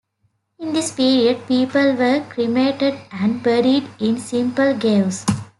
In this period, people were cremated and buried in simple graves.